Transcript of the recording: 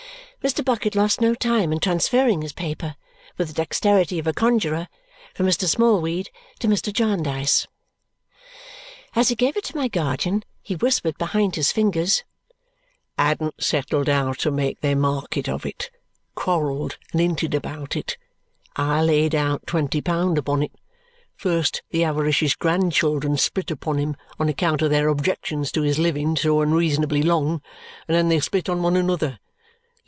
Mr. Bucket lost no time in transferring this paper, with the dexterity of a conjuror, from Mr. Smallweed to Mr. Jarndyce. As he gave it to my guardian, he whispered behind his fingers, "Hadn't settled how to make their market of it. Quarrelled and hinted about it. I laid out twenty pound upon it. First the avaricious grandchildren split upon him on account of their objections to his living so unreasonably long, and then they split on one another.